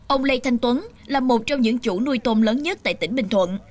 ông lê thanh tuấn là một trong những chủ nuôi tôm lớn nhất tại tỉnh bình thuận